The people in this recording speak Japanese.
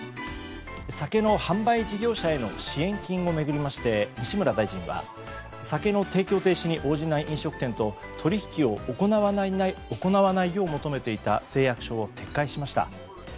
酒の販売事業者への支援金を巡りまして西村大臣は、酒の提供停止に応じない飲食店と取引を行わないよう求めていた誓約書を撤回しました。